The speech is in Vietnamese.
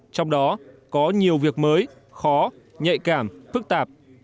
trong đó có nhiều việc mới khó nhạy cảm phức tạp